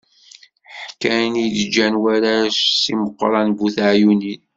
Ḥkan i d-ǧǧan warrac, Si Meqran bu teɛyunin.